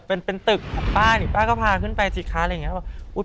เป็นตึกป้าก็พาขึ้นไปจิตค้าอะไรอย่างนี้